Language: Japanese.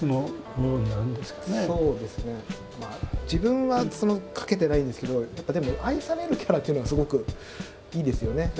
自分は描けてないんですけどやっぱでも愛されるキャラっていうのがすごくいいですよね。